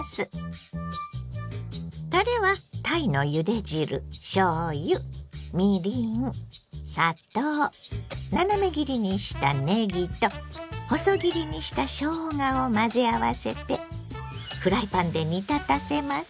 たれはたいのゆで汁しょうゆみりん砂糖斜め切りにしたねぎと細切りにしたしょうがを混ぜ合わせてフライパンで煮立たせます。